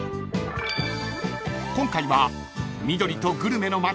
［今回は緑とグルメの街］